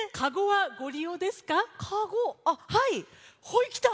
ほいきた！